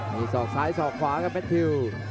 มีศอกซ้ายสอกขวากับแมททิว